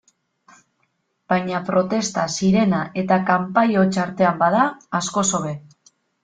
Baina protesta, sirena eta kanpai hots artean bada, askoz hobe.